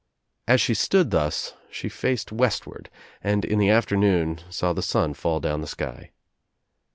As she stood thus she faced westward and in the afternoon saw the sun fall down the sky.